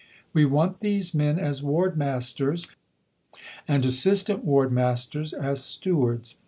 We want these men as Ward Masters and Assistant Ward Masters as Stewards.